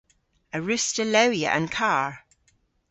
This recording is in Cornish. A wruss'ta lewya an karr?